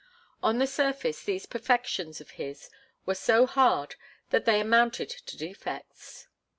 On the surface these perfections of his were so hard that they amounted to defects.